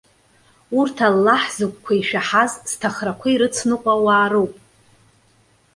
Урҭ Аллаҳ зыгәқәа ишәаҳаз, зҭахрақәа ирыцныҟәо ауаа роуп.